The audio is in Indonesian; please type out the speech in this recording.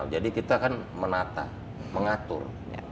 jadi kita kan menata mengatur